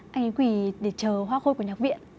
anh quý quỳ để chờ hoa khôi của nhạc viện